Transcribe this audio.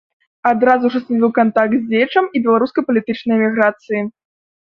Адразу ж устанавіў кантакты з дзеячам і беларускай палітычнай эміграцыі.